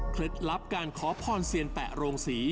ลับการขอพรเซียนแปะโรงศรี